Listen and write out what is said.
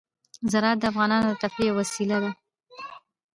زراعت د افغانانو د تفریح یوه وسیله ده.